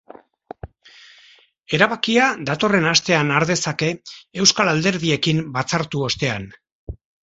Erabakia datorren astean har dezake euskal alderdiekin batzartu ostean.